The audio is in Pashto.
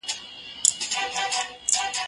زه سبا ته فکر کړی دی،